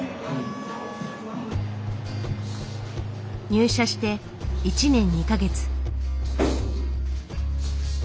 入社して１年２か月。